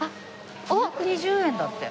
２２０円だって。